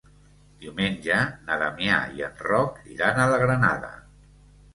Diumenge na Damià i en Roc iran a la Granada.